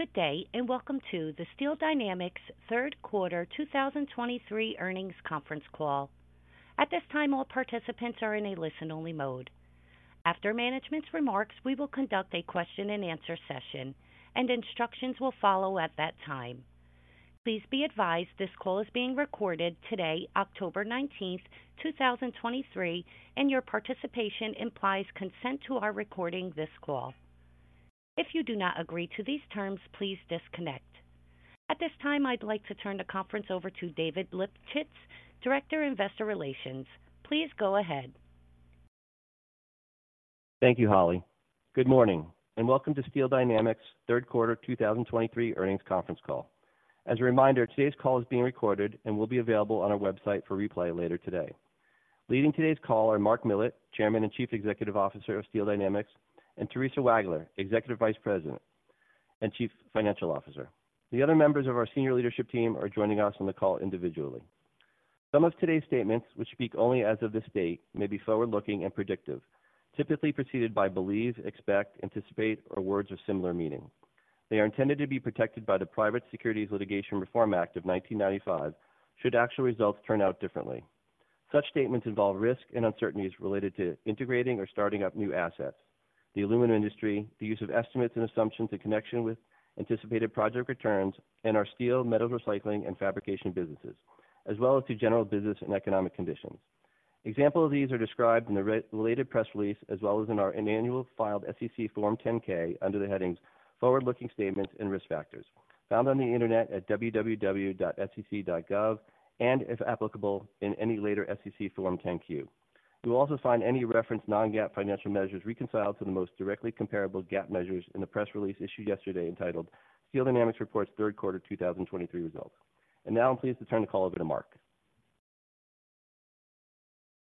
Good day, and welcome to the Steel Dynamics Third Quarter 2023 Earnings Conference Call. At this time, all participants are in a listen-only mode. After management's remarks, we will conduct a question-and-answer session, and instructions will follow at that time. Please be advised this call is being recorded today, October 19, 2023, and your participation implies consent to our recording this call. If you do not agree to these terms, please disconnect. At this time, I'd like to turn the conference over to David Lipschitz, Director, Investor Relations. Please go ahead. Thank you, Holly. Good morning, and welcome to Steel Dynamics Third Quarter 2023 Earnings Conference Call. As a reminder, today's call is being recorded and will be available on our website for replay later today. Leading today's call are Mark Millett, Chairman and Chief Executive Officer of Steel Dynamics, and Theresa Wagler, Executive Vice President and Chief Financial Officer. The other members of our senior leadership team are joining us on the call individually. Some of today's statements, which speak only as of this date, may be forward-looking and predictive, typically preceded by believe, expect, anticipate, or words of similar meaning. They are intended to be protected by the Private Securities Litigation Reform Act of 1995 should actual results turn out differently. Such statements involve risks and uncertainties related to integrating or starting up new assets, the aluminum industry, the use of estimates and assumptions in connection with anticipated project returns, and our steel, metals recycling, and fabrication businesses, as well as to general business and economic conditions. Examples of these are described in the related press release, as well as in our annual filed SEC Form 10-K under the headings Forward-Looking Statements and Risk Factors, found on the Internet at www.sec.gov, and, if applicable, in any later SEC Form 10-Q. You'll also find any reference non-GAAP financial measures reconciled to the most directly comparable GAAP measures in the press release issued yesterday entitled Steel Dynamics Reports Third Quarter 2023 Results. And now I'm pleased to turn the call over to Mark.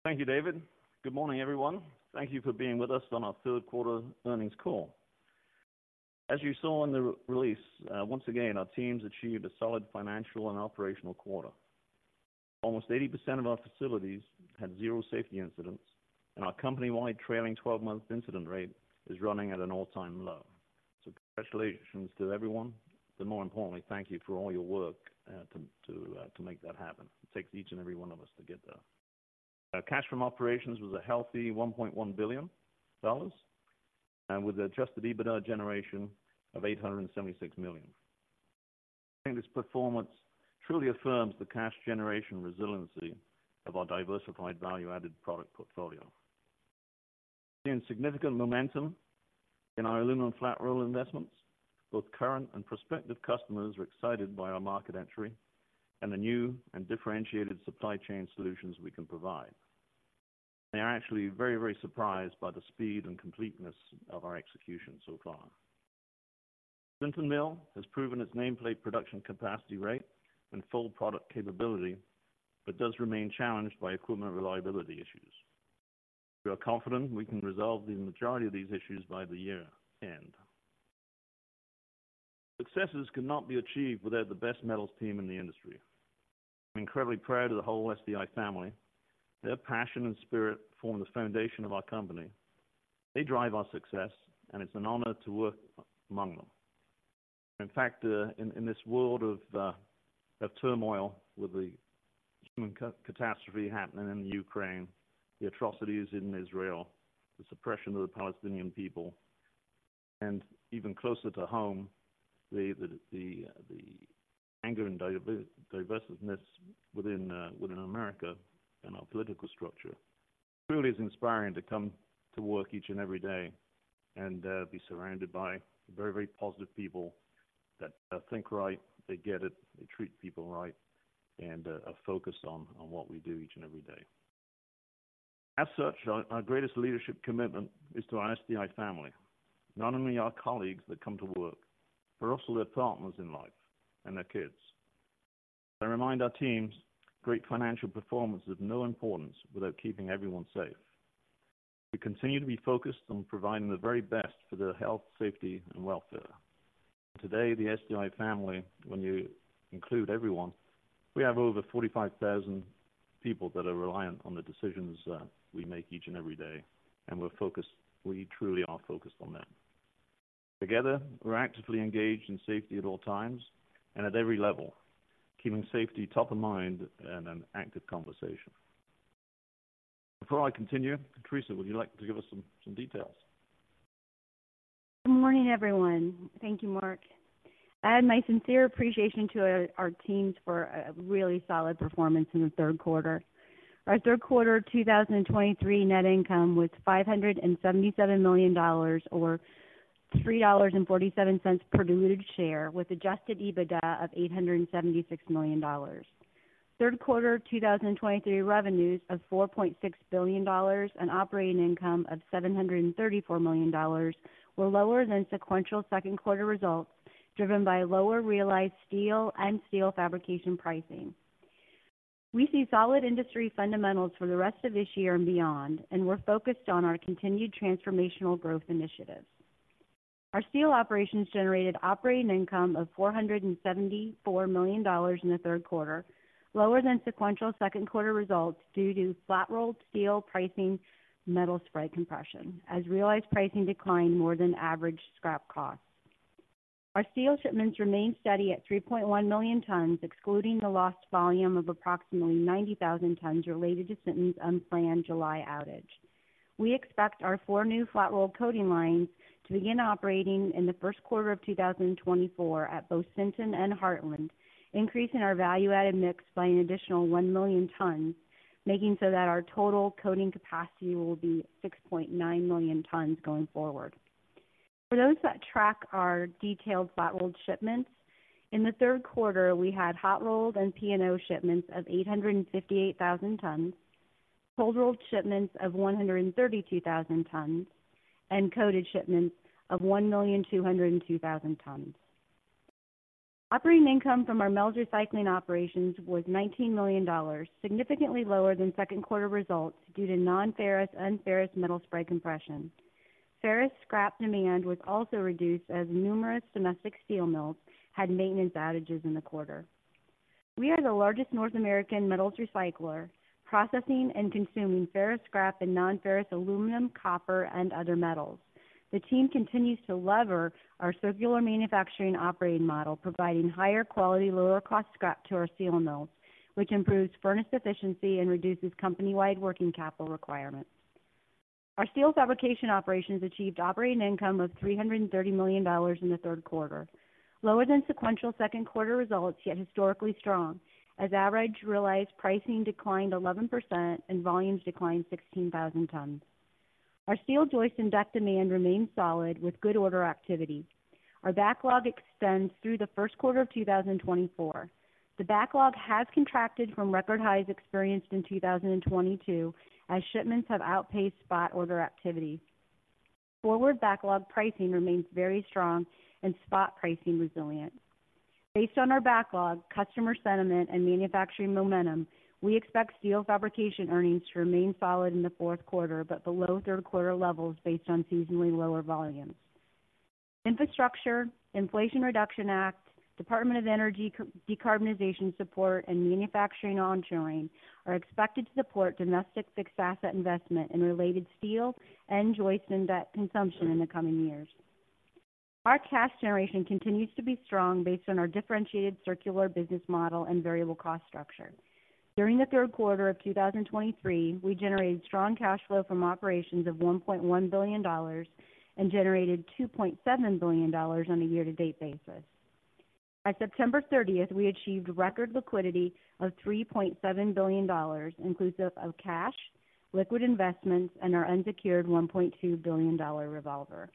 Thank you, David. Good morning, everyone. Thank you for being with us on our third quarter earnings call. As you saw in the release, once again, our teams achieved a solid financial and operational quarter. Almost 80% of our facilities had zero safety incidents, and our company-wide trailing 12-month incident rate is running at an all-time low. Congratulations to everyone, and more importantly, thank you for all your work to make that happen. It takes each and every one of us to get there. Our cash from operations was a healthy $1.1 billion, and with the adjusted EBITDA generation of $876 million. I think this performance truly affirms the cash generation resiliency of our diversified value-added product portfolio. In significant momentum in our aluminum flat roll investments, both current and prospective customers are excited by our market entry and the new and differentiated supply chain solutions we can provide. They are actually very, very surprised by the speed and completeness of our execution so far. Columbus mill has proven its nameplate production capacity rate and full product capability, but does remain challenged by equipment reliability issues. We are confident we can resolve the majority of these issues by the year-end. Successes cannot be achieved without the best metals team in the industry. I'm incredibly proud of the whole SDI family. Their passion and spirit form the foundation of our company. They drive our success, and it's an honor to work among them. In fact, in this world of turmoil, with the human catastrophe happening in the Ukraine, the atrocities in Israel, the suppression of the Palestinian people, and even closer to home, the anger and divisiveness within America and our political structure, it truly is inspiring to come to work each and every day and be surrounded by very, very positive people that think right, they get it, they treat people right, and are focused on what we do each and every day. As such, our greatest leadership commitment is to our SDI family, not only our colleagues that come to work, but also their partners in life and their kids. I remind our teams, great financial performance is of no importance without keeping everyone safe. We continue to be focused on providing the very best for their health, safety, and welfare. Today, the SDI family, when you include everyone, we have over 45,000 people that are reliant on the decisions we make each and every day, and we're focused. We truly are focused on them. Together, we're actively engaged in safety at all times and at every level, keeping safety top of mind and an active conversation. Before I continue, Theresa, would you like to give us some details? Good morning, everyone. Thank you, Mark. I add my sincere appreciation to our teams for a really solid performance in the third quarter. Our third quarter 2023 net income was $577 million or $3.47 per diluted share, with adjusted EBITDA of $876 million. Third quarter 2023 revenues of $4.6 billion, and operating income of $734 million were lower than sequential second quarter results, driven by lower realized steel and steel fabrication pricing. We see solid industry fundamentals for the rest of this year and beyond, and we're focused on our continued transformational growth initiatives. Our steel operations generated operating income of $474 million in the third quarter, lower than sequential second quarter results due to flat-rolled steel pricing, metal spread compression, as realized pricing declined more than average scrap costs. Our steel shipments remained steady at 3.1 million tons, excluding the lost volume of approximately 90,000 tons related to Sinton's unplanned July outage. We expect our four new flat-rolled coating lines to begin operating in the first quarter of 2024 at both Sinton and Heartland, increasing our value-added mix by an additional 1 million tons, making so that our total coating capacity will be 6.9 million tons going forward. For those that track our detailed flat-rolled shipments, in the third quarter, we had hot-rolled and P&O shipments of 858,000 tons, cold-rolled shipments of 132,000 tons, and coated shipments of 1,202,000 tons. Operating income from our metals recycling operations was $19 million, significantly lower than second quarter results due to nonferrous and ferrous metal spread compression. Ferrous scrap demand was also reduced as numerous domestic steel mills had maintenance outages in the quarter. We are the largest North American metals recycler, processing and consuming ferrous scrap and nonferrous aluminum, copper, and other metals. The team continues to lever our circular manufacturing operating model, providing higher quality, lower-cost scrap to our steel mills, which improves furnace efficiency and reduces company-wide working capital requirements. Our steel fabrication operations achieved operating income of $330 million in the third quarter, lower than sequential second quarter results, yet historically strong as average realized pricing declined 11% and volumes declined 16,000 tons. Our steel joist and deck demand remains solid with good order activity. Our backlog extends through the first quarter of 2024. The backlog has contracted from record highs experienced in 2022 as shipments have outpaced spot order activity. Forward backlog pricing remains very strong and spot pricing resilient. Based on our backlog, customer sentiment, and manufacturing momentum, we expect steel fabrication earnings to remain solid in the fourth quarter, but below third quarter levels based on seasonally lower volumes. Infrastructure, Inflation Reduction Act, Department of Energy decarbonization support, and manufacturing onshoring are expected to support domestic fixed asset investment in related steel and joists and deck consumption in the coming years. Our cash generation continues to be strong based on our differentiated circular business model and variable cost structure. During the third quarter of 2023, we generated strong cash flow from operations of $1.1 billion and generated $2.7 billion on a year-to-date basis. By September 30th, we achieved record liquidity of $3.7 billion, inclusive of cash, liquid investments, and our unsecured $1.2 billion revolver.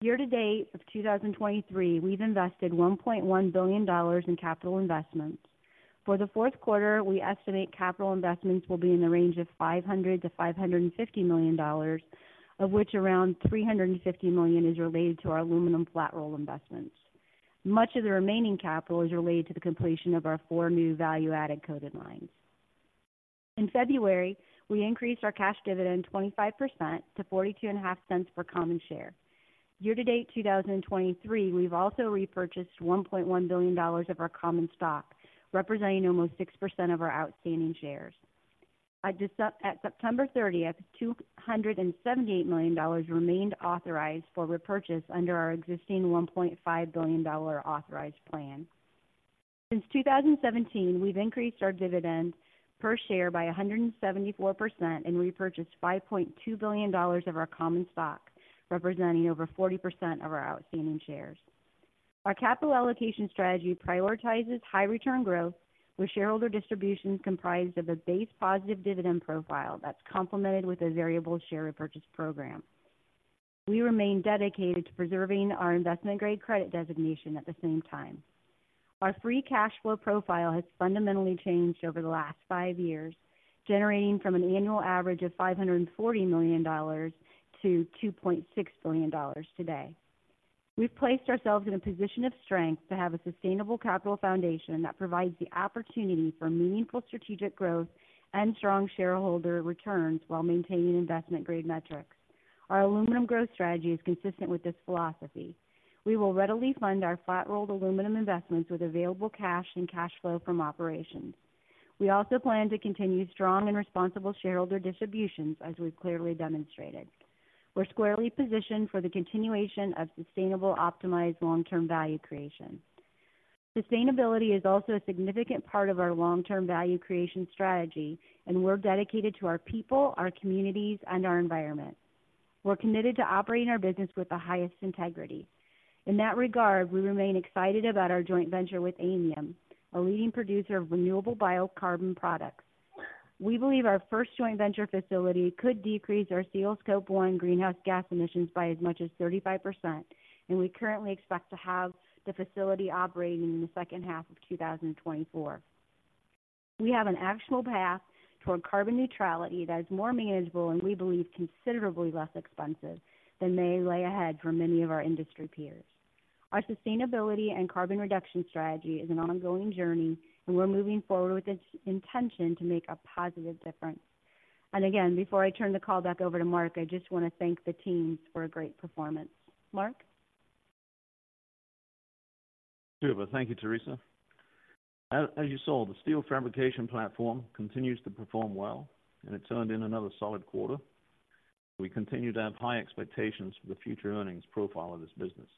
Year-to-date of 2023, we've invested $1.1 billion in capital investments. For the fourth quarter, we estimate capital investments will be in the range of $500 million-$550 million, of which around $350 million is related to our aluminum flat roll investments. Much of the remaining capital is related to the completion of our four new value-added coated lines. In February, we increased our cash dividend 25% to $0.425 per common share. Year-to-date 2023, we've also repurchased $1.1 billion of our common stock, representing almost 6% of our outstanding shares. At September 30th, $278 million remained authorized for repurchase under our existing $1.5 billion authorized plan. Since 2017, we've increased our dividend per share by 174% and repurchased $5.2 billion of our common stock, representing over 40% of our outstanding shares. Our capital allocation strategy prioritizes high return growth, with shareholder distributions comprised of a base positive dividend profile that's complemented with a variable share repurchase program. We remain dedicated to preserving our investment-grade credit designation at the same time. Our free cash flow profile has fundamentally changed over the last five years, generating from an annual average of $540 million to $2.6 billion today. We've placed ourselves in a position of strength to have a sustainable capital foundation that provides the opportunity for meaningful strategic growth and strong shareholder returns while maintaining investment-grade metrics. Our aluminum growth strategy is consistent with this philosophy. We will readily fund our flat-rolled aluminum investments with available cash and cash flow from operations. We also plan to continue strong and responsible shareholder distributions, as we've clearly demonstrated. We're squarely positioned for the continuation of sustainable, optimized, long-term value creation. Sustainability is also a significant part of our long-term value creation strategy, and we're dedicated to our people, our communities, and our environment. We're committed to operating our business with the highest integrity. In that regard, we remain excited about our joint venture with Aymium, a leading producer of renewable biocarbon products. We believe our first joint venture facility could decrease our steel Scope 1 greenhouse gas emissions by as much as 35%, and we currently expect to have the facility operating in the second half of 2024.We have an actionable path toward carbon neutrality that is more manageable and we believe considerably less expensive than may lay ahead for many of our industry peers. Our sustainability and carbon reduction strategy is an ongoing journey, and we're moving forward with its intention to make a positive difference. Again, before I turn the call back over to Mark, I just want to thank the teams for a great performance. Mark? Sure, but thank you, Theresa. As you saw, the steel fabrication platform continues to perform well, and it turned in another solid quarter. We continue to have high expectations for the future earnings profile of this business.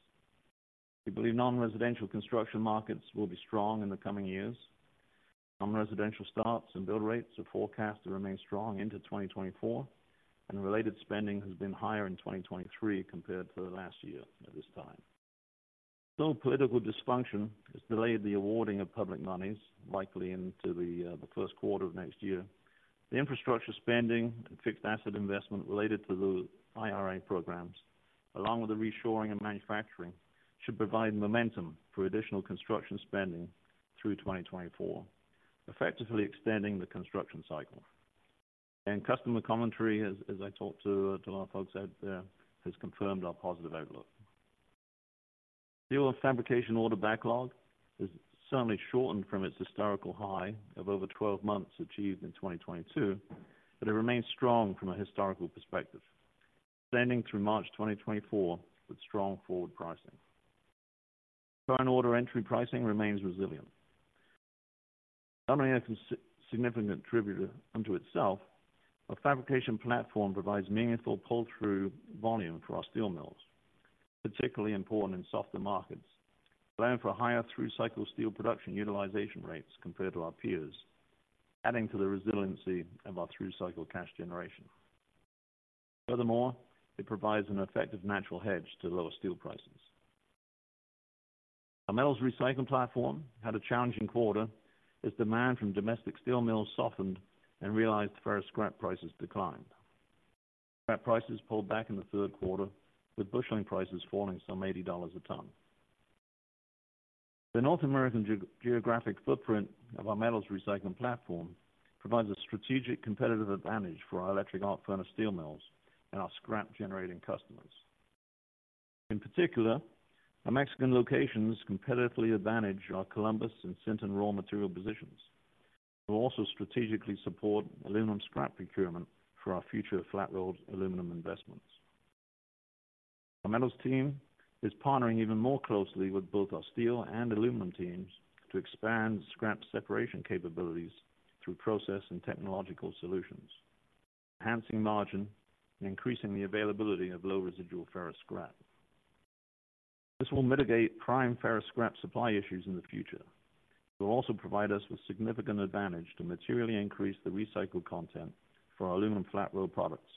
We believe non-residential construction markets will be strong in the coming years. Non-residential starts and build rates are forecast to remain strong into 2024, and related spending has been higher in 2023 compared to the last year at this time. Though political dysfunction has delayed the awarding of public monies, likely into the first quarter of next year, the infrastructure spending and fixed asset investment related to the IRA programs, along with the reshoring and manufacturing, should provide momentum for additional construction spending through 2024, effectively extending the construction cycle. Customer commentary, as I talked to a lot of folks out there, has confirmed our positive outlook. Steel fabrication order backlog has certainly shortened from its historical high of over 12 months, achieved in 2022, but it remains strong from a historical perspective, extending through March 2024 with strong forward pricing. Current order entry pricing remains resilient. Not only a significant contributor unto itself, our fabrication platform provides meaningful pull-through volume for our steel mills, particularly important in softer markets, allowing for higher through-cycle steel production utilization rates compared to our peers, adding to the resiliency of our through-cycle cash generation. Furthermore, it provides an effective natural hedge to lower steel prices. Our metals recycling platform had a challenging quarter, as demand from domestic steel mills softened and realized ferrous scrap prices declined. Scrap prices pulled back in the third quarter, with busheling prices falling some $80 a ton. The North American geographic footprint of our metals recycling platform provides a strategic competitive advantage for our electric arc furnace steel mills and our scrap-generating customers. In particular, our Mexican locations competitively advantage our Columbus and Sinton raw material positions. We'll also strategically support aluminum scrap procurement for our future flat-rolled aluminum investments. Our metals team is partnering even more closely with both our steel and aluminum teams to expand scrap separation capabilities through process and technological solutions, enhancing margin and increasing the availability of low residual ferrous scrap. This will mitigate prime ferrous scrap supply issues in the future. It will also provide us with significant advantage to materially increase the recycled content for our aluminum flat roll products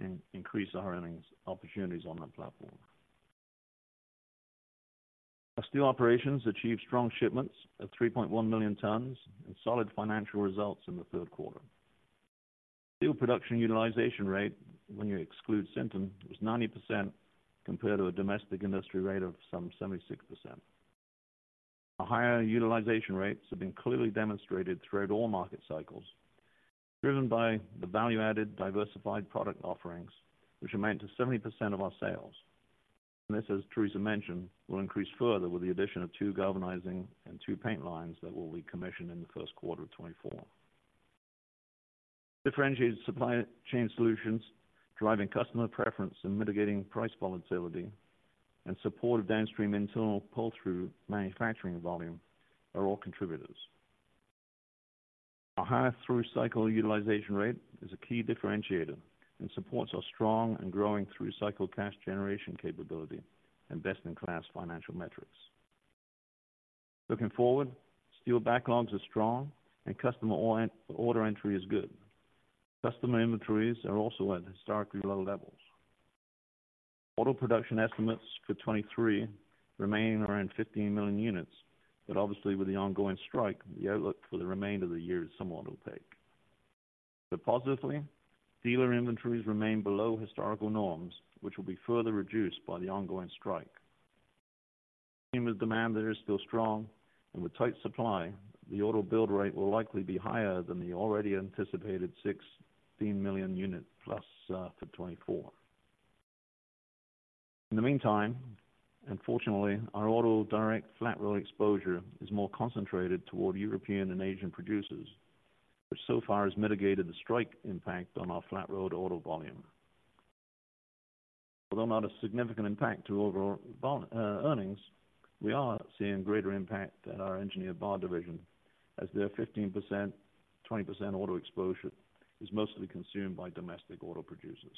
and increase our earnings opportunities on that platform. Our steel operations achieved strong shipments of 3.1 million tons and solid financial results in the third quarter. Steel production utilization rate, when you exclude Sinton, was 90%, compared to a domestic industry rate of some 76%. Our higher utilization rates have been clearly demonstrated throughout all market cycles, driven by the value-added, diversified product offerings, which amount to 70% of our sales. And this, as Theresa mentioned, will increase further with the addition of two galvanizing and two paint lines that will be commissioned in the first quarter of 2024. Differentiated supply chain solutions, driving customer preference and mitigating price volatility, and supportive downstream internal pull-through manufacturing volume are all contributors. Our higher through-cycle utilization rate is a key differentiator and supports our strong and growing through-cycle cash generation capability and best-in-class financial metrics. Looking forward, steel backlogs are strong and customer order entry is good. Customer inventories are also at historically low levels. Auto production estimates for 2023 remain around 15 million units, but obviously, with the ongoing strike, the outlook for the remainder of the year is somewhat opaque. But positively, dealer inventories remain below historical norms, which will be further reduced by the ongoing strike. Tied with demand that is still strong, and with tight supply, the auto build rate will likely be higher than the already anticipated 16 million+ units for 2024. In the meantime, unfortunately, our auto direct flat roll exposure is more concentrated toward European and Asian producers, which so far has mitigated the strike impact on our flat-rolled auto volume. Although not a significant impact to overall earnings, we are seeing greater impact at our engineered bar division, as their 15%, 20% auto exposure is mostly consumed by domestic auto producers.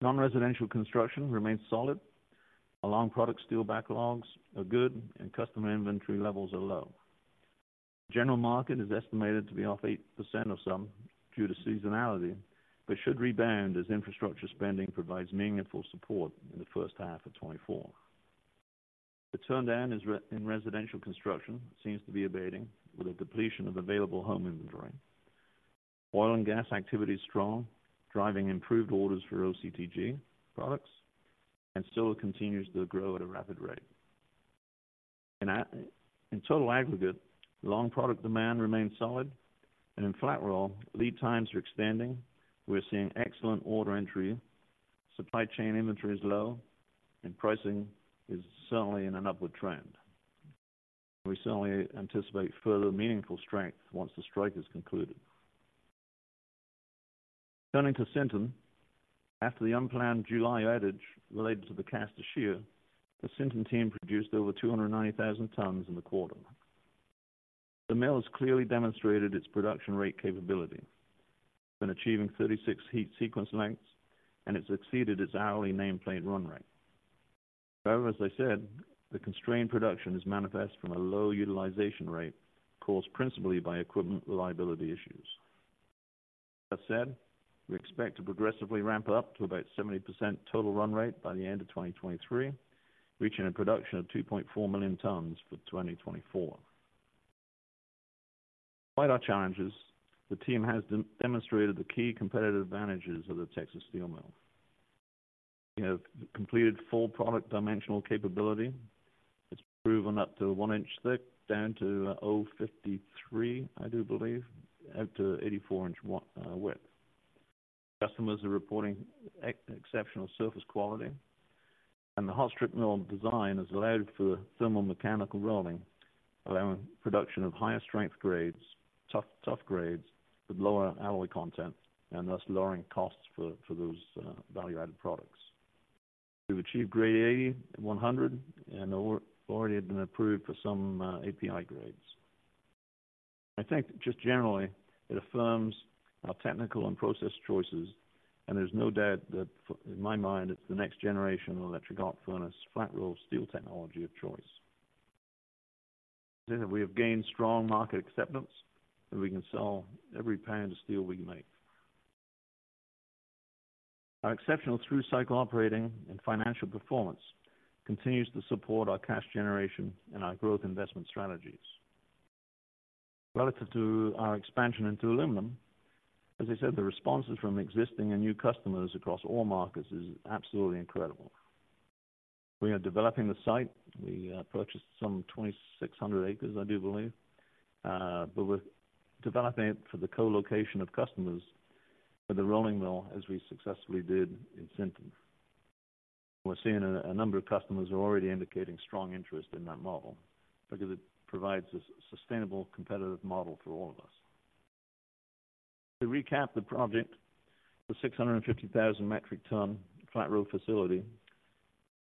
Non-residential construction remains solid. Long product steel backlogs are good and customer inventory levels are low. General market is estimated to be off 8% or so due to seasonality, but should rebound as infrastructure spending provides meaningful support in the first half of 2024. The turndown in residential construction seems to be abating with a depletion of available home inventory. Oil and gas activity is strong, driving improved orders for OCTG products, and solar continues to grow at a rapid rate. In total aggregate, long product demand remains solid, and in flat roll, lead times are extending. We're seeing excellent order entry, supply chain inventory is low, and pricing is certainly in an upward trend. We certainly anticipate further meaningful strength once the strike is concluded. Turning to Sinton, after the unplanned July outage related to the caster shear, the Sinton team produced over 290,000 tons in the quarter. The mill has clearly demonstrated its production rate capability and achieving 36 heat sequence lengths, and it's exceeded its hourly nameplate run rate. However, as I said, the constrained production is manifest from a low utilization rate, caused principally by equipment reliability issues. That said, we expect to progressively ramp up to about 70% total run rate by the end of 2023, reaching a production of 2.4 million tons for 2024. Despite our challenges, the team has demonstrated the key competitive advantages of the Texas steel mill. We have completed full product dimensional capability. It's proven up to one inch thick, down to 0.053, I do believe, out to 84-inch width. Customers are reporting exceptional surface quality, and the hot strip mill design has allowed for thermomechanical rolling, allowing production of higher strength grades, tough, tough grades with lower alloy content and thus lowering costs for those value-added products. We've achieved Grade 80, 100, and already have been approved for some API grades. I think just generally, it affirms our technical and process choices, and there's no doubt that in my mind, it's the next generation of electric arc furnace flat-roll steel technology of choice. We have gained strong market acceptance, and we can sell every pound of steel we make. Our exceptional through-cycle operating and financial performance continues to support our cash generation and our growth investment strategies. Relative to our expansion into aluminum, as I said, the responses from existing and new customers across all markets is absolutely incredible. We are developing the site. We purchased some 2,600 acres, I do believe. But we're developing it for the co-location of customers with the rolling mill, as we successfully did in Sinton. We're seeing a number of customers are already indicating strong interest in that model because it provides a sustainable, competitive model for all of us. To recap the project, the 650,000 metric ton flat-rolled facility,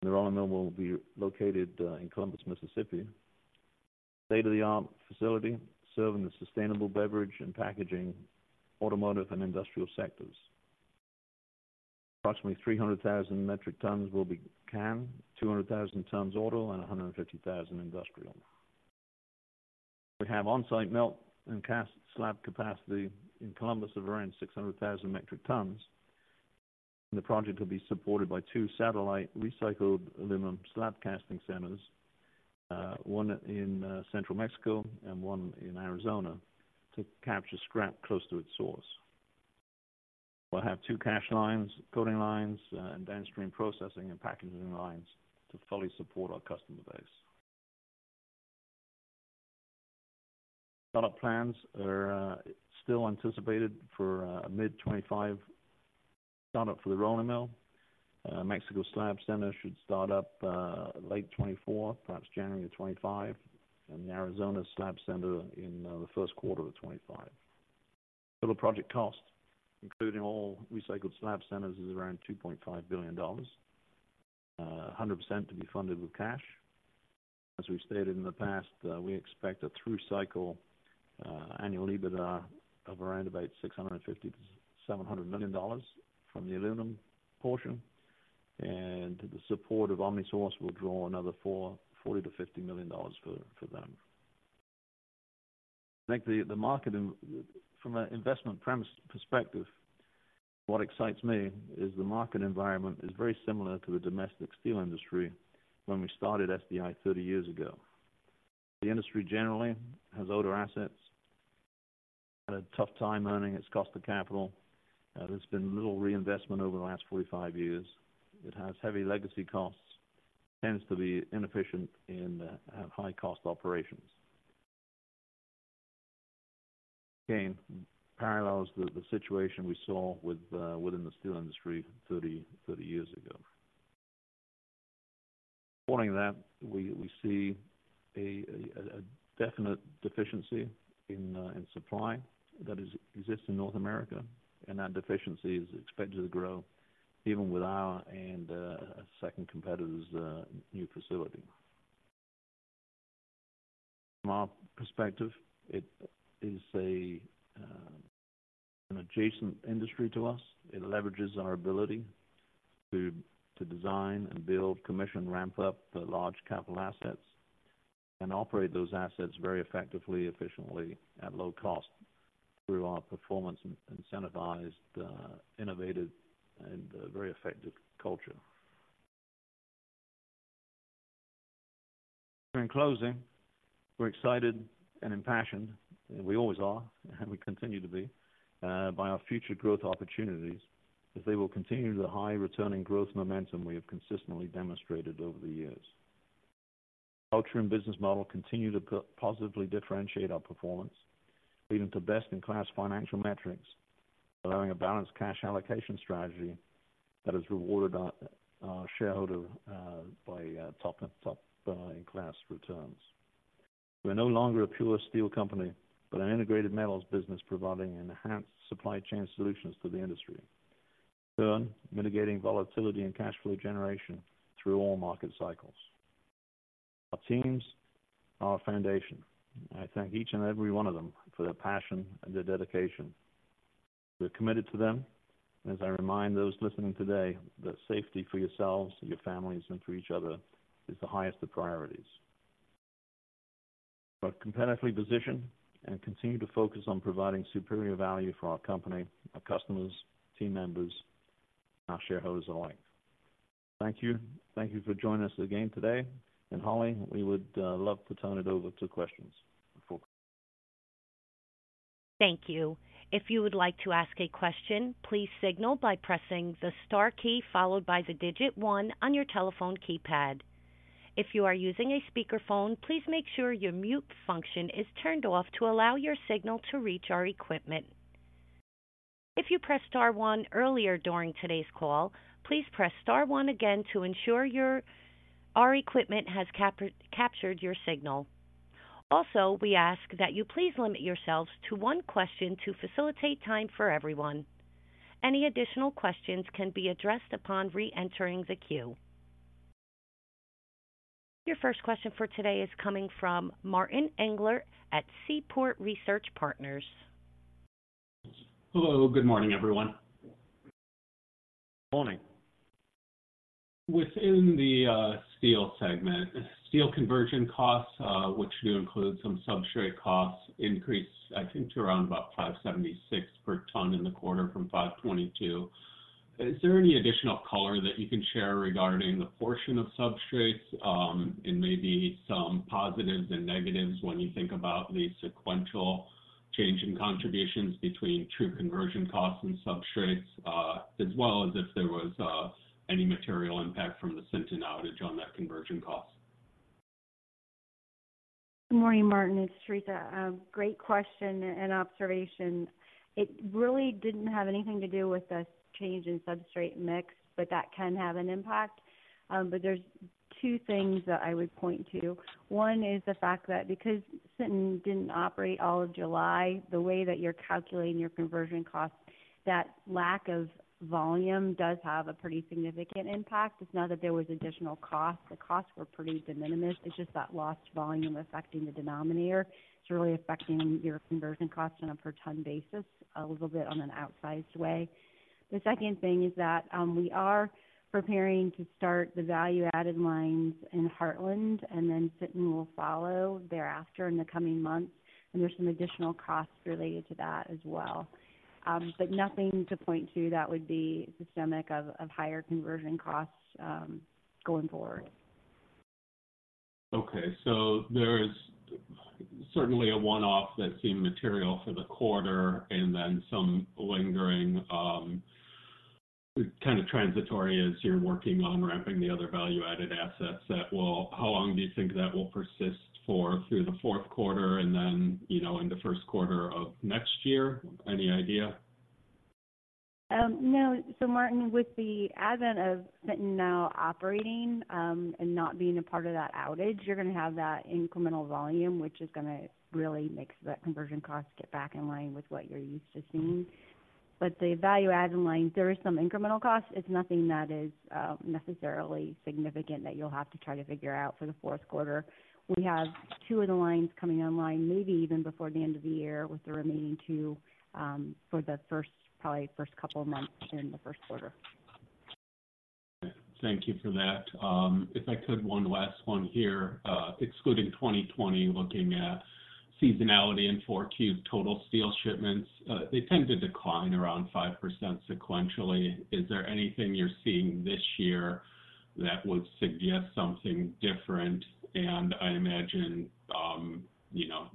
and the rolling mill will be located in Columbus, Mississippi. State-of-the-art facility, serving the sustainable beverage and packaging, automotive, and industrial sectors. Approximately 300,000 metric tons will be cans, 200,000 tons auto, and 150,000 industrial. We have on-site melt and cast slab capacity in Columbus of around 600,000 metric tons. The project will be supported by two satellite recycled aluminum slab casting centers, one in central Mexico and one in Arizona, to capture scrap close to its source. We'll have two casting lines, coating lines, and downstream processing and packaging lines to fully support our customer base. Start-up plans are still anticipated for a mid-2025 start-up for the rolling mill. Mexico slab center should start up late 2024, perhaps January 2025, and the Arizona slab center in the first quarter of 2025. Total project cost, including all recycled slab centers, is around $2.5 billion. 100% to be funded with cash. As we've stated in the past, we expect a through cycle annual EBITDA of around about $650 million-$700 million from the aluminum portion, and the support of OmniSource will draw another $40 million-$50 million for them. I think from an investment premise perspective, what excites me is the market environment is very similar to the domestic steel industry when we started SDI 30 years ago. The industry generally has older assets, had a tough time earning its cost of capital. There's been little reinvestment over the last 45 years. It has heavy legacy costs, tends to be inefficient and have high cost operations. Again, parallels the situation we saw with within the steel industry 30 years ago. According to that, we see a definite deficiency in supply that exists in North America, and that deficiency is expected to grow even with our and a second competitor's new facility. From our perspective, it is an adjacent industry to us. It leverages our ability to design and build, commission, ramp up the large capital assets and operate those assets very effectively, efficiently, at low cost through our performance, incentivized, innovative and very effective culture. In closing, we're excited and impassioned, and we always are, and we continue to be by our future growth opportunities, as they will continue the high returning growth momentum we have consistently demonstrated over the years. Culture and business model continue to positively differentiate our performance, leading to best-in-class financial metrics, allowing a balanced cash allocation strategy that has rewarded our shareholder by top in-class returns. We're no longer a pure steel company, but an integrated metals business, providing enhanced supply chain solutions to the industry, then mitigating volatility and cash flow generation through all market cycles. Our teams are our foundation. I thank each and every one of them for their passion and their dedication. We're committed to them, as I remind those listening today, that safety for yourselves, your families, and for each other is the highest of priorities. We're competitively positioned and continue to focus on providing superior value for our company, our customers, team members, our shareholders alike. Thank you. Thank you for joining us again today. And Holly, we would love to turn it over to questions. Thank you. If you would like to ask a question, please signal by pressing the star key followed by the digit one on your telephone keypad. If you are using a speakerphone, please make sure your mute function is turned off to allow your signal to reach our equipment. If you pressed star one earlier during today's call, please press star one again to ensure our equipment has captured your signal. Also, we ask that you please limit yourselves to one question to facilitate time for everyone. Any additional questions can be addressed upon reentering the queue. Your first question for today is coming from Martin Englert at Seaport Research Partners. Hello, good morning, everyone. Morning. Within the steel segment, steel conversion costs, which do include some substrate costs, increased, I think, to around about $576 per ton in the quarter from $522. Is there any additional color that you can share regarding the portion of substrates, and maybe some positives and negatives when you think about the sequential change in contributions between true conversion costs and substrates, as well as if there was any material impact from the Sinton outage on that conversion cost? Good morning, Martin. It's Theresa. Great question and observation. It really didn't have anything to do with the change in substrate mix, but that can have an impact. But there's two things that I would point to. One is the fact that because Sinton didn't operate all of July, the way that you're calculating your conversion cost, that lack of volume does have a pretty significant impact. It's not that there was additional costs. The costs were pretty de minimis. It's just that lost volume affecting the denominator. It's really affecting your conversion costs on a per ton basis, a little bit on an outsized way. The second thing is that, we are preparing to start the value-added lines in Heartland, and then Sinton will follow thereafter in the coming months, and there's some additional costs related to that as well. But nothing to point to that would be systemic of higher conversion costs going forward. Okay, so there is certainly a one-off that seemed material for the quarter and then some lingering, kind of transitory as you're working on ramping the other value-added assets. That will—how long do you think that will persist for through the fourth quarter and then, you know, in the first quarter of next year? Any idea? No. So Martin, with the advent of Sinton now operating, and not being a part of that outage, you're gonna have that incremental volume, which is gonna really make that conversion cost get back in line with what you're used to seeing. But the value-added line, there is some incremental cost. It's nothing that is, necessarily significant that you'll have to try to figure out for the fourth quarter. We have two of the lines coming online, maybe even before the end of the year, with the remaining two, for the first, probably first couple of months in the first quarter. Thank you for that. If I could, one last one here. Excluding 2020, looking at seasonality in 4Q total steel shipments, they tend to decline around 5% sequentially. Is there anything you're seeing this year that would suggest something different? And I imagine, you know,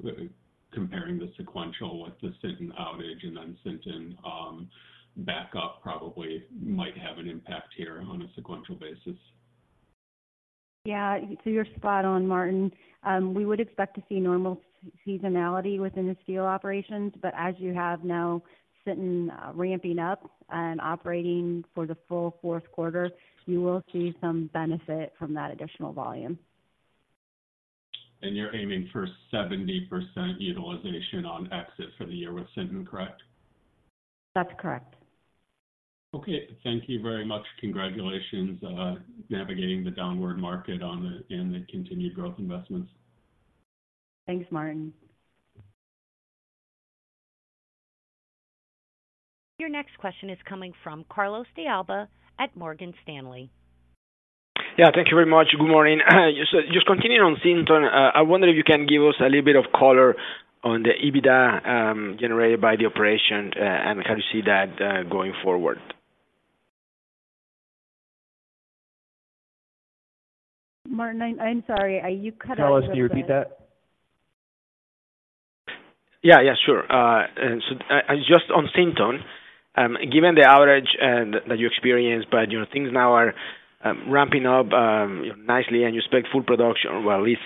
comparing the sequential with the Sinton outage and then Sinton backup probably might have an impact here on a sequential basis. Yeah, so you're spot on, Martin. We would expect to see normal seasonality within the steel operations, but as you have now, Sinton ramping up and operating for the full fourth quarter, you will see some benefit from that additional volume. You're aiming for 70% utilization on exit for the year with Sinton, correct? That's correct. Okay. Thank you very much. Congratulations on navigating the downward market and the continued growth investments. Thanks, Martin. Your next question is coming from Carlos de Alba at Morgan Stanley. Yeah, thank you very much. Good morning. Just continuing on Sinton, I wonder if you can give us a little bit of color on the EBITDA generated by the operation, and how you see that going forward. Martin, I'm sorry, you cut out a little bit. Carlos, can you repeat that? Yeah, yeah, sure. So, just on Sinton, given the outage and that you experienced, but you know, things now are ramping up nicely, and you expect full production, well, at least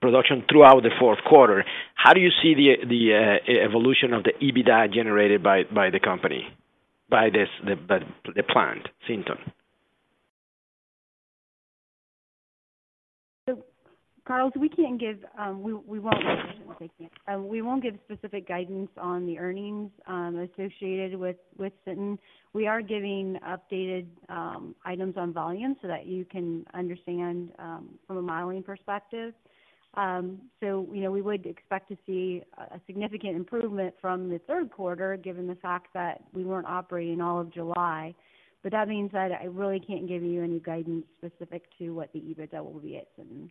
production throughout the fourth quarter. How do you see the evolution of the EBITDA generated by the company, by this plant, Sinton? So, Carlos, we can't give, we won't give specific guidance on the earnings associated with Sinton. We are giving updated items on volume so that you can understand from a modeling perspective. So, you know, we would expect to see a significant improvement from the third quarter, given the fact that we weren't operating all of July. But that being said, I really can't give you any guidance specific to what the EBITDA will be at Sinton.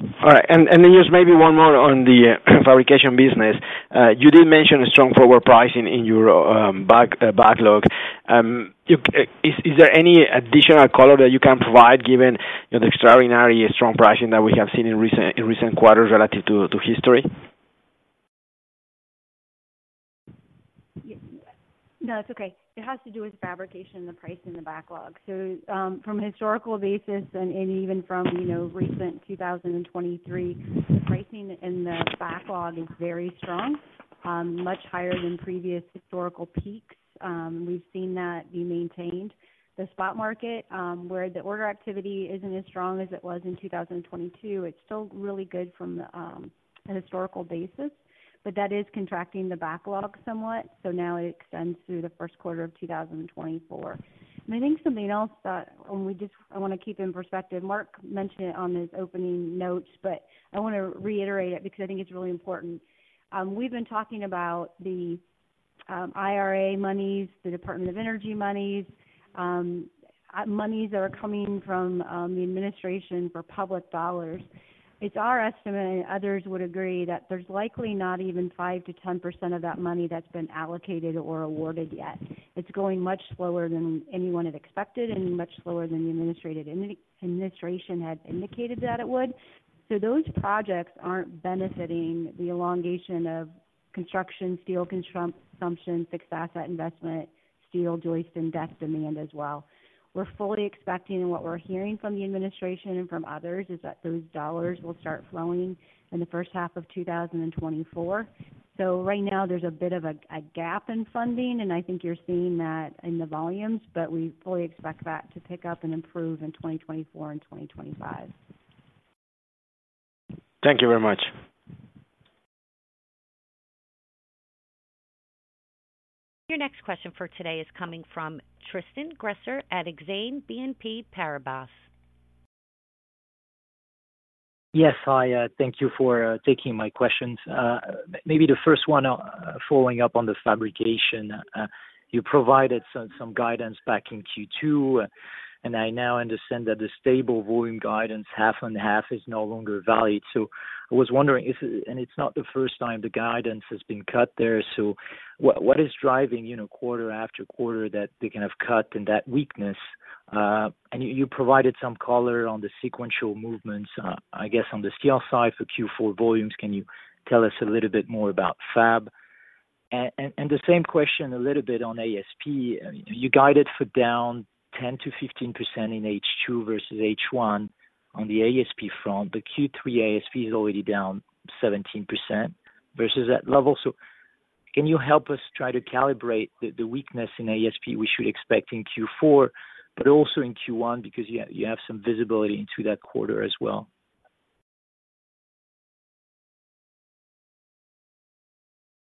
All right. And then just maybe one more on the fabrication business. You did mention strong forward pricing in your backlog. Is there any additional color that you can provide given, you know, the extraordinarily strong pricing that we have seen in recent quarters relative to history? Yeah. No, it's okay. It has to do with fabrication, the price, and the backlog. So, from a historical basis and, and even from, you know, recent 2023, the pricing in the backlog is very strong, much higher than previous historical peaks. We've seen that be maintained. The spot market, where the order activity isn't as strong as it was in 2022, it's still really good from the, a historical basis, but that is contracting the backlog somewhat, so now it extends through the first quarter of 2024. And I think something else that, and we just—I want to keep in perspective, Mark mentioned it on his opening notes, but I want to reiterate it because I think it's really important. We've been talking about the IRA monies, the Department of Energy monies, monies that are coming from the administration for public dollars. It's our estimate, and others would agree, that there's likely not even 5%-10% of that money that's been allocated or awarded yet. It's going much slower than anyone had expected and much slower than the administration had indicated that it would. So those projects aren't benefiting the elongation of construction, steel consumption, fixed asset investment, steel joist and deck demand as well. We're fully expecting, and what we're hearing from the administration and from others, is that those dollars will start flowing in the first half of 2024. So right now there's a bit of a gap in funding, and I think you're seeing that in the volumes, but we fully expect that to pick up and improve in 2024 and 2025. Thank you very much. Your next question for today is coming from Tristan Gresser at Exane BNP Paribas. Yes, hi. Thank you for taking my questions. Maybe the first one, following up on the fabrication. You provided some guidance back in Q2, and I now understand that the stable volume guidance, half and half, is no longer valid. So I was wondering if—and it's not the first time the guidance has been cut there. So what is driving, you know, quarter after quarter, that they kind of cut and that weakness? And you provided some color on the sequential movements, I guess, on the steel side for Q4 volumes. Can you tell us a little bit more about fab? And the same question a little bit on ASP. You guided for down 10%-15% in H2 versus H1 on the ASP front. The Q3 ASP is already down 17% versus that level. So can you help us try to calibrate the weakness in ASP we should expect in Q4, but also in Q1, because you have some visibility into that quarter as well?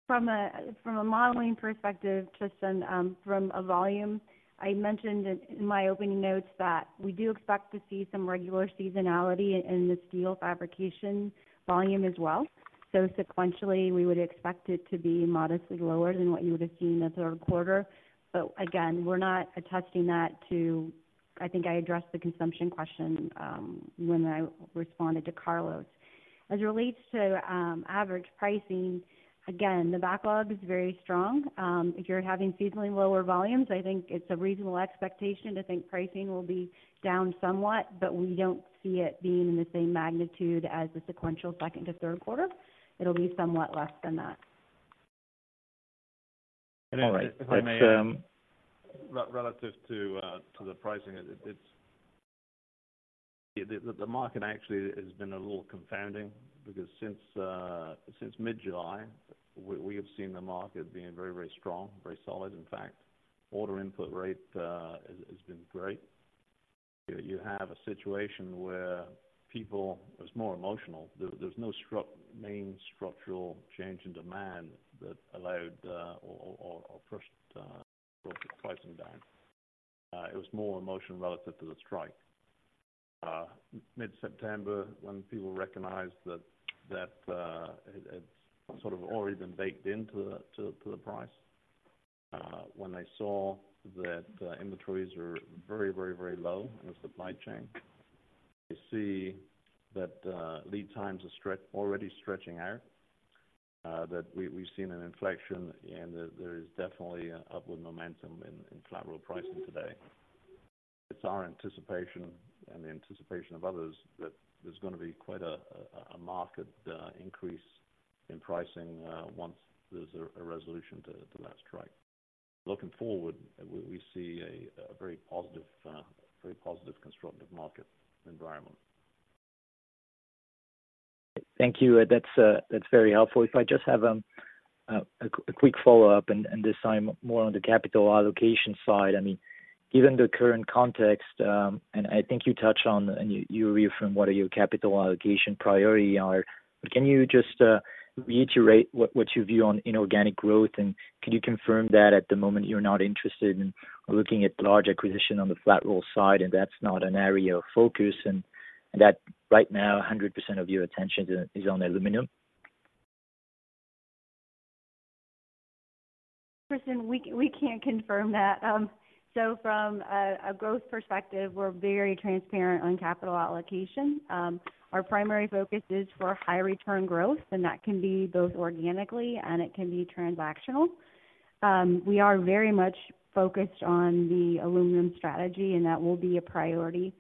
From a modeling perspective, Tristan, from a volume, I mentioned in my opening notes that we do expect to see some regular seasonality in the steel fabrication volume as well. So sequentially, we would expect it to be modestly lower than what you would have seen in the third quarter. But again, we're not attesting that to—I think I addressed the consumption question when I responded to Carlos. As it relates to average pricing, again, the backlog is very strong. If you're having seasonally lower volumes, I think it's a reasonable expectation to think pricing will be down somewhat, but we don't see it being in the same magnitude as the sequential second to third quarter. It'll be somewhat less than that. All right. If I may, relative to the pricing, it's—the market actually has been a little confounding because since mid-July, we have seen the market being very, very strong, very solid in fact. Order input rate has been great. You have a situation where people—it's more emotional. There's no main structural change in demand that allowed or forced pricing down. It was more emotional relative to the strike. Mid-September, when people recognized that it’s sort of already been baked into the price, when they saw that inventories are very, very, very low in the supply chain, you see that lead times are already stretching out, that we’ve seen an inflection and that there is definitely an upward momentum in collateral pricing today. It’s our anticipation and the anticipation of others that there’s gonna be quite a market increase in pricing once there’s a resolution to that strike. Looking forward, we see a very positive, very positive, constructive market environment. Thank you. That's very helpful. If I just have a quick follow-up, and this time more on the capital allocation side. I mean, given the current context, and I think you touched on, and you reaffirmed what are your capital allocation priority are. But can you just reiterate what you view on inorganic growth? And can you confirm that at the moment, you're not interested in looking at large acquisition on the flat roll side, and that's not an area of focus, and that right now, 100% of your attention is on aluminum? Tristan, we can't confirm that. So from a growth perspective, we're very transparent on capital allocation. Our primary focus is for high return growth, and that can be both organically, and it can be transactional. We are very much focused on the aluminum strategy, and that will be a priority.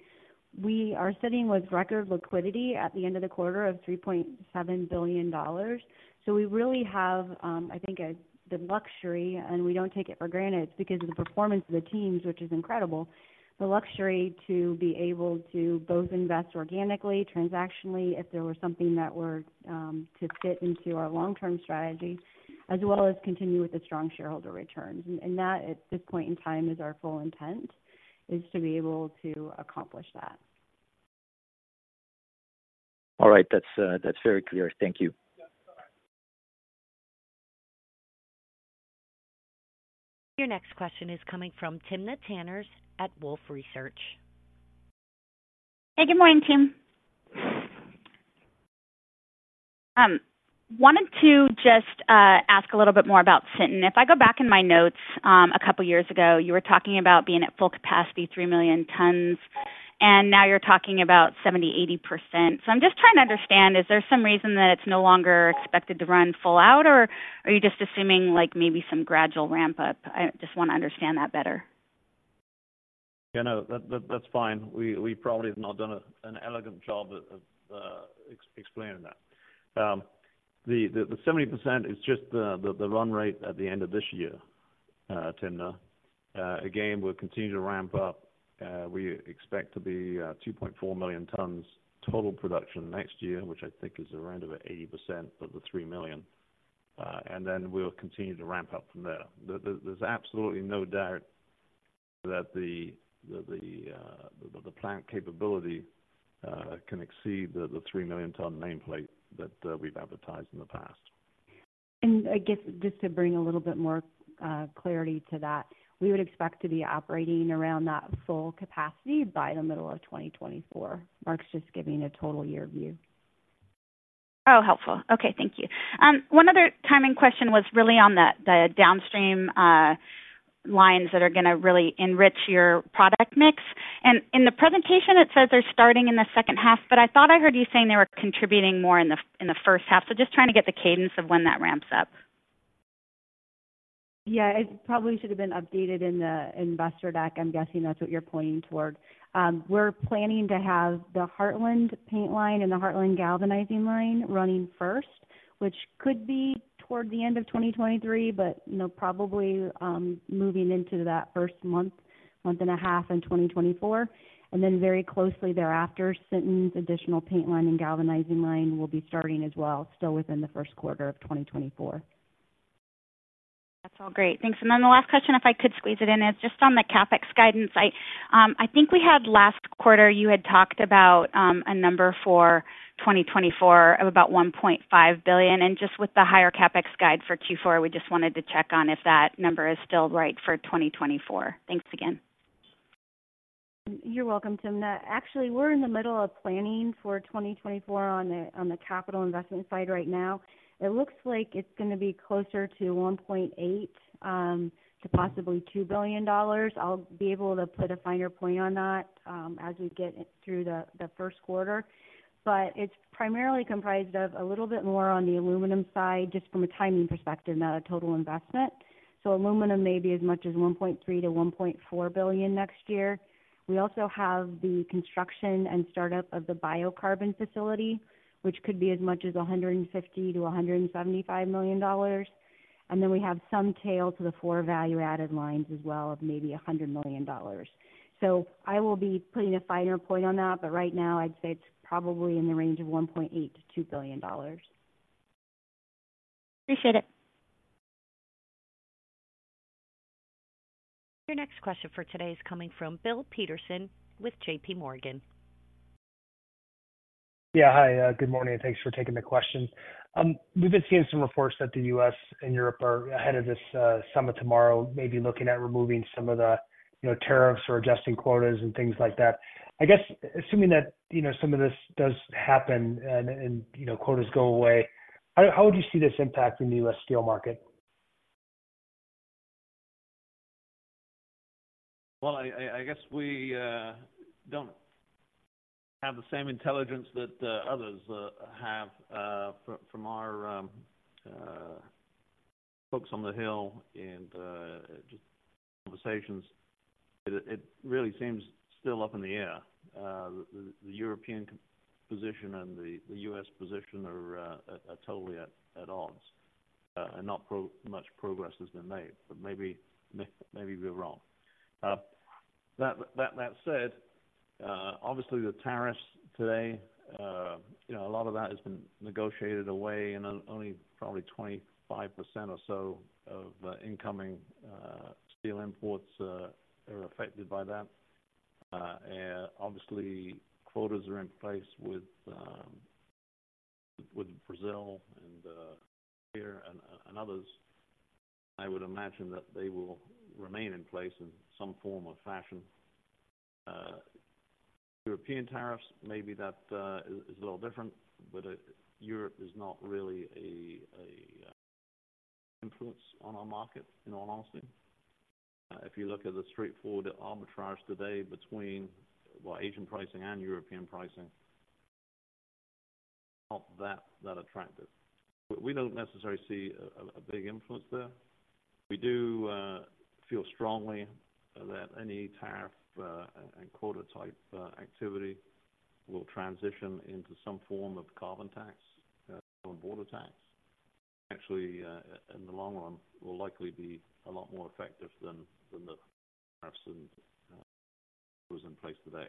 We are sitting with record liquidity at the end of the quarter of $3.7 billion. So we really have, I think, the luxury, and we don't take it for granted, it's because of the performance of the teams, which is incredible. The luxury to be able to both invest organically, transactionally, if there was something that were to fit into our long-term strategy, as well as continue with the strong shareholder returns. And that, at this point in time, is our full intent, is to be able to accomplish that. All right. That's, that's very clear. Thank you. Your next question is coming from Timna Tanners at Wolfe Research. Hey, good morning, team. Wanted to just ask a little bit more about Sinton. If I go back in my notes, a couple of years ago, you were talking about being at full capacity, three million tons, and now you're talking about 70%-80%. So I'm just trying to understand, is there some reason that it's no longer expected to run full out, or are you just assuming, like maybe some gradual ramp-up? I just want to understand that better. Yeah, no, that's fine. We probably have not done an elegant job of explaining that. The 70% is just the run rate at the end of this year, Timna. Again, we'll continue to ramp up. We expect to be 2.4 million tons total production next year, which I think is around about 80% of the three million. And then we'll continue to ramp up from there. There's absolutely no doubt that the plant capability can exceed the three million ton nameplate that we've advertised in the past. I guess just to bring a little bit more clarity to that, we would expect to be operating around that full capacity by the middle of 2024. Mark's just giving a total year view. Oh, helpful. Okay, thank you. One other timing question was really on the downstream lines that are gonna really enrich your product mix. In the presentation, it says they're starting in the second half, but I thought I heard you saying they were contributing more in the first half. Just trying to get the cadence of when that ramps up. Yeah, it probably should have been updated in the investor deck. I'm guessing that's what you're pointing toward. We're planning to have the Heartland paint line and the Heartland galvanizing line running first, which could be toward the end of 2023, but, you know, probably, moving into that first month, month and a half in 2024. And then very closely thereafter, Sinton's additional paint line and galvanizing line will be starting as well, still within the first quarter of 2024. That's all great. Thanks. And then the last question, if I could squeeze it in, is just on the CapEx guidance. I think we had last quarter, you had talked about, a number for 2024 of about $1.5 billion. And just with the higher CapEx guide for Q4, we just wanted to check on if that number is still right for 2024. Thanks again. You're welcome, Timna. Actually, we're in the middle of planning for 2024 on the, on the capital investment side right now. It looks like it's gonna be closer to $1.8-$2 billion. I'll be able to put a finer point on that, as we get through the, the first quarter. But it's primarily comprised of a little bit more on the aluminum side, just from a timing perspective, not a total investment. So aluminum may be as much as $1.3-$1.4 billion next year. We also have the construction and startup of the biocarbon facility, which could be as much as $150-$175 million. And then we have some tail to the four value-added lines as well, of maybe $100 million. I will be putting a finer point on that, but right now I'd say it's probably in the range of $1.8 billion-$2 billion. Appreciate it. Your next question for today is coming from Bill Peterson with JPMorgan. Yeah. Hi, good morning, and thanks for taking the question. We've been seeing some reports that the U.S. and Europe are ahead of this summit tomorrow, maybe looking at removing some of the, you know, tariffs or adjusting quotas and things like that. I guess, assuming that, you know, some of this does happen and, you know, quotas go away, how would you see this impacting the U.S, steel market? Well, I guess we don't have the same intelligence that others have from our folks on the Hill and just conversations. It really seems still up in the air. The European position and the U.S. position are totally at odds, and not much progress has been made, but maybe we're wrong. That said, obviously the tariffs today, you know, a lot of that has been negotiated away, and only probably 25% or so of the incoming steel imports are affected by that. And obviously, quotas are in place with Brazil and here and others. I would imagine that they will remain in place in some form or fashion. European tariffs, maybe that is a little different, but Europe is not really an influence on our market, in all honesty. If you look at the straightforward arbitrage today between, well, Asian pricing and European pricing, not that attractive. But we don't necessarily see a big influence there. We do feel strongly that any tariff and quota type activity will transition into some form of carbon tax on border tax. Actually, in the long run, will likely be a lot more effective than the tariffs and was in place today.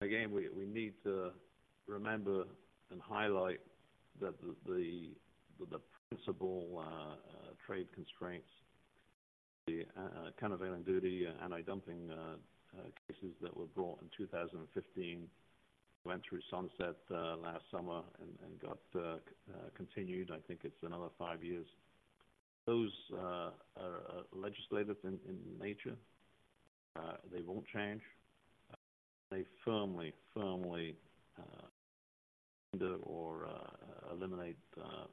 Again, we need to remember and highlight that the principal trade constraints, the countervailing duty, anti-dumping cases that were brought in 2015, went through sunset last summer and got continued. I think it's another five years. Those are legislated in nature. They won't change. They firmly render or eliminate,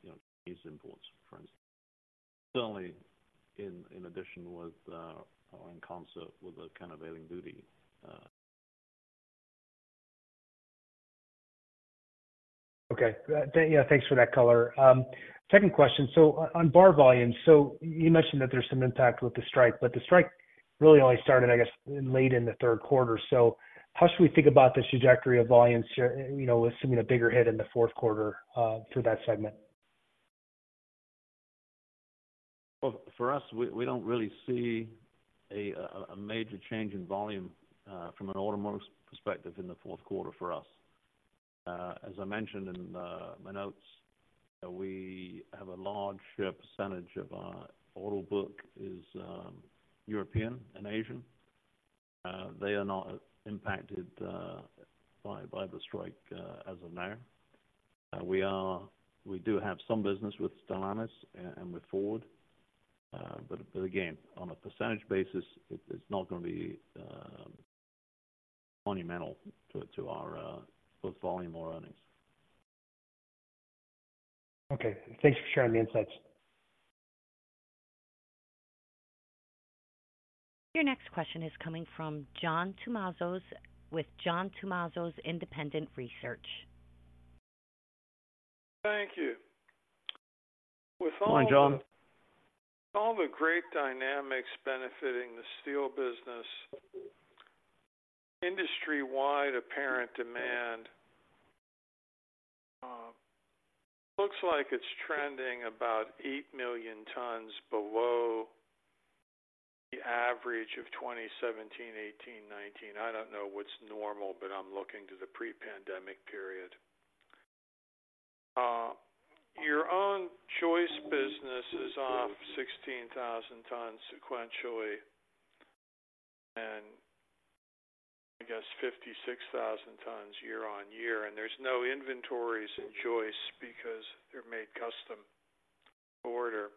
you know, these imports, for instance. Certainly in addition with or in concert with a countervailing duty. Okay. Yeah, thanks for that color. Second question. So on bar volumes, so you mentioned that there's some impact with the strike, but the strike really only started, I guess, late in the third quarter. So how should we think about the trajectory of volumes here, you know, assuming a bigger hit in the fourth quarter through that segment? Well, for us, we don't really see a major change in volume from an automotive perspective in the fourth quarter for us. As I mentioned in my notes, we have a large percentage of our order book is European and Asian. They are not impacted by the strike as of now. We do have some business with Stellantis and with Ford, but again, on a percentage basis, it's not gonna be monumental to our both volume or earnings. Okay. Thanks for sharing the insights. Your next question is coming from John Tumazos with John Tumazos Independent Research. Thank you. Hi, John. With all the great dynamics benefiting the steel business, industry-wide apparent demand looks like it's trending about eight million tons below the average of 2017, 2018, 2019. I don't know what's normal, but I'm looking to the pre-pandemic period. Your own joist business is off 16,000 tons sequentially, and I guess 56,000 tons year-over-year, and there's no inventories in joist because they're made custom order.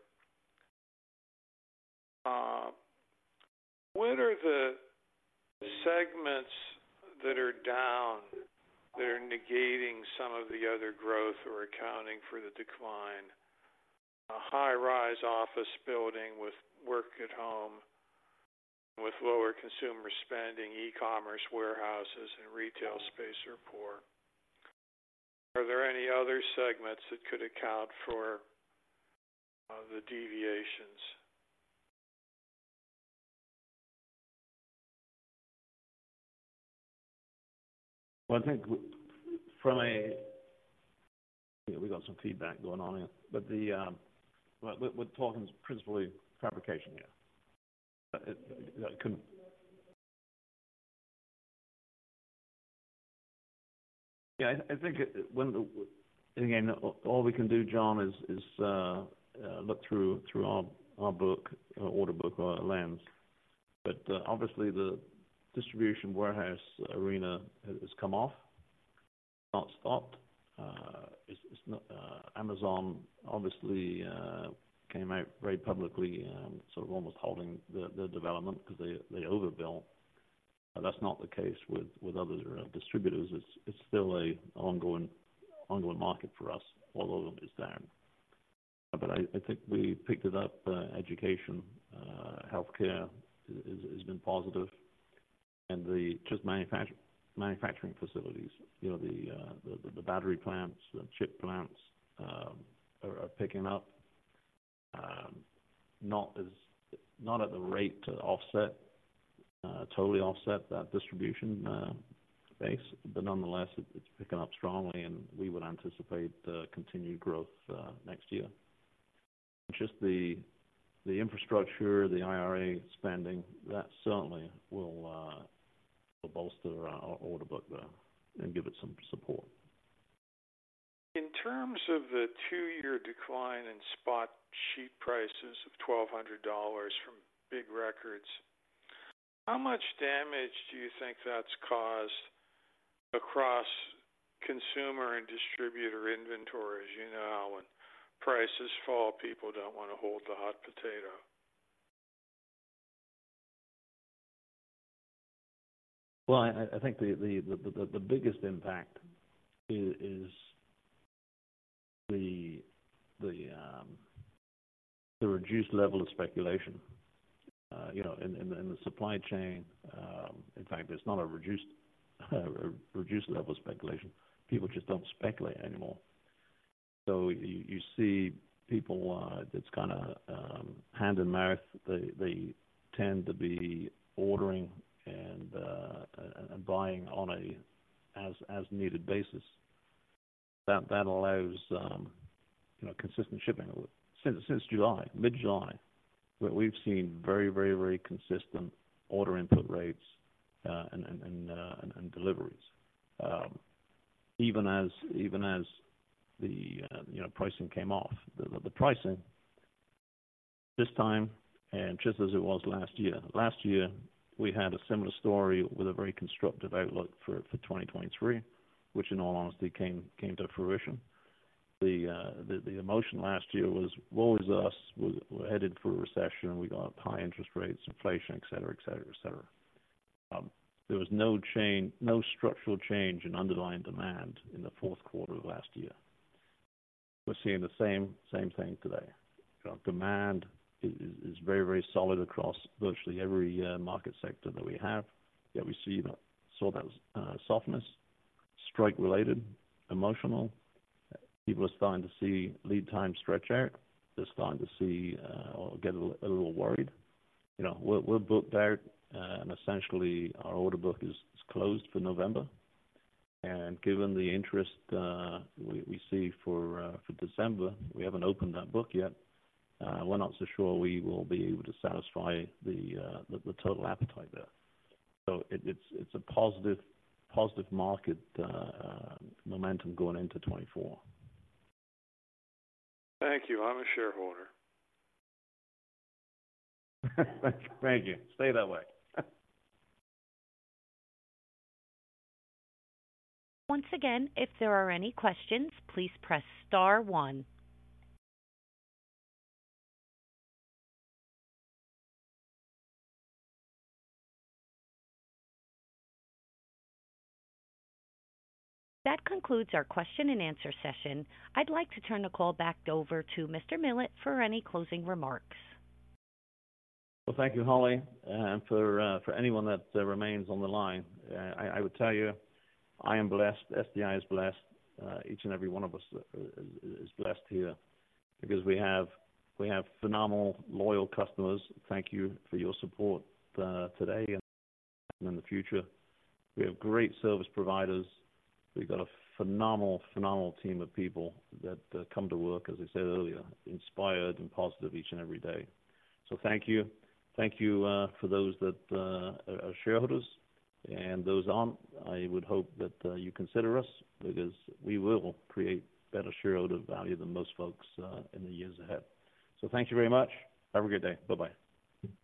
What are the segments that are down, that are negating some of the other growth or accounting for the decline? A high-rise office building with work at home, with lower consumer spending, e-commerce, warehouses, and retail space are poor. Are there any other segments that could account for the deviations? Well, I think from a—we got some feedback going on here, but we're talking principally fabrication here. I think when, again, all we can do, John, is look through our order book lens. But obviously the distribution warehouse arena has come off, not stopped. It's not Amazon. Obviously, Amazon came out very publicly and sort of almost holding the development because they overbuilt. But that's not the case with other distributors. It's still an ongoing market for us, although it's down. But I think we picked it up, education, healthcare has been positive. And the just manufacturing facilities, you know, the battery plants, the chip plants are picking up, not at the rate to offset totally offset that distribution base. But nonetheless, it's picking up strongly, and we would anticipate the continued growth next year. Just the infrastructure, the IRA spending, that certainly will bolster our order book there and give it some support. In terms of the two-year decline in spot sheet prices of $1,200 from big records, how much damage do you think that's caused across consumer and distributor inventories? You know, when prices fall, people don't want to hold the hot potato. Well, I think the biggest impact is the reduced level of speculation. You know, in the supply chain, in fact, it's not a reduced level of speculation. People just don't speculate anymore. So you see people, that's kinda hand-to-mouth. They tend to be ordering and buying on an as-needed basis. That allows, you know, consistent shipping. Since mid-July, we've seen very consistent order input rates and deliveries. Even as, you know, the pricing came off. The pricing this time and just as it was last year. Last year, we had a similar story with a very constructive outlook for 2023, which in all honesty, came to fruition. The emotion last year was, woe is us. We're headed for a recession. We got high interest rates, inflation, et cetera, et cetera, et cetera. There was no change, no structural change in underlying demand in the fourth quarter of last year. We're seeing the same thing today. You know, demand is very, very solid across virtually every market sector that we have. Yet we see that sort of softness, strike related, emotional. People are starting to see lead time stretch out. They're starting to see or get a little worried. You know, we're booked there, and essentially our order book is closed for November. And given the interest we see for December, we haven't opened that book yet. We're not so sure we will be able to satisfy the total appetite there. So it's a positive market momentum going into 2024. Thank you. I'm a shareholder. Thank you. Stay that way. Once again, if there are any questions, please press star one. That concludes our question and answer session. I'd like to turn the call back over to Mr. Millett for any closing remarks. Well, thank you, Holly, for anyone that remains on the line. I would tell you, I am blessed. SDI is blessed. Each and every one of us is blessed here because we have phenomenal, loyal customers. Thank you for your support today and in the future. We have great service providers. We've got a phenomenal, phenomenal team of people that come to work, as I said earlier, inspired and positive each and every day. So thank you. Thank you for those that are shareholders and those who aren't. I would hope that you consider us because we will create better shareholder value than most folks in the years ahead. So thank you very much. Have a good day. Bye-bye.